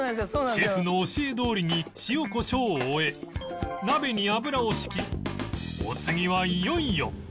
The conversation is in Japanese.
シェフの教えどおりに塩コショウを終え鍋に油を引きお次はいよいよ